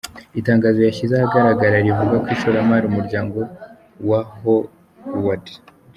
Itangazo yashyize ahagaragara rivuga ko ishoramari umuryango wa Howard G.